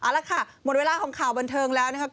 หละค่ะหมดเวลาของข่าวบนเทิงแล้ว